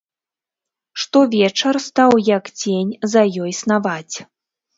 Штовечар стаў, як цень, за ёй снаваць.